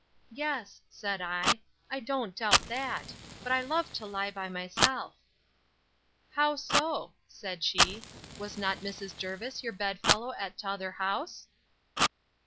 Yes, said I, I don't doubt that; but I love to lie by myself. How so? said she; Was not Mrs. Jervis your bed fellow at t'other house?